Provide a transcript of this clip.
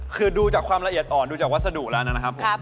คือดูจากความละเอียดอ่อนดูจากวัสดุแล้วนะครับผม